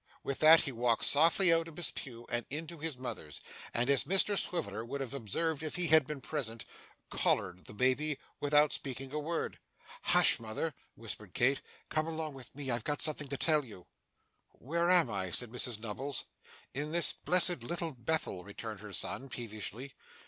With that he walked softly out of his pew and into his mother's, and as Mr Swiveller would have observed if he had been present, 'collared' the baby without speaking a word. 'Hush, mother!' whispered Kit. 'Come along with me, I've got something to tell you.' 'Where am I?' said Mrs Nubbles. 'In this blessed Little Bethel,' returned her son, peevishly.